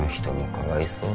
「かわいそう？」